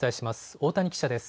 大谷記者です。